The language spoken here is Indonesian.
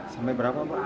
sampai berapa pak